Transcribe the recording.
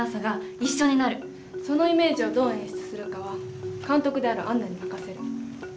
そのイメージをどう演出するかは監督である杏奈に任せる。